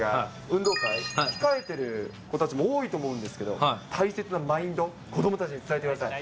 運動会、控えてる子たちも多いと思うんですけど、大切なマインド、子どもたちに伝えてください。